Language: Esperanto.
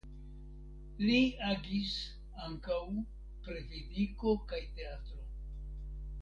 Li agis ankaŭ pri fiziko kaj teatro.